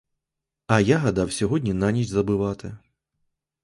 А я гадав сьогодні на ніч забивати.